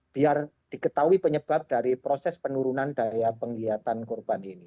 biar diketahui penyebab dari proses penurunan daya penglihatan korban ini